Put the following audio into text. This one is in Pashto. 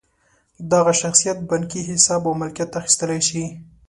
دغه شخصیت بانکي حساب او ملکیت اخیستلی شي.